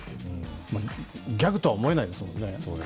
ギャグとは思えないですもんね。